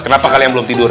kenapa kalian belum tidur